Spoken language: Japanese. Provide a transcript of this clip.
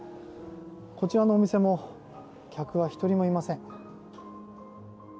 こちらのお店も客は１人もいません。